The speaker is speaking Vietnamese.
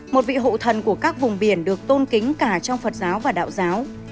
một vị hộ thần của các vùng biển được tôn kính cả trong phật giáo và đạo giáo